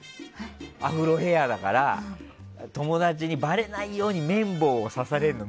アフロヘアだから友達に、ばれないように綿棒を刺されるの。